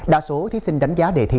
đa số thí sinh đánh giá đề thi